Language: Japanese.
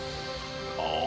ああ。